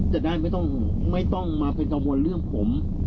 จะได้ไม่ต้องมาเป็นกังวลเรื่องผม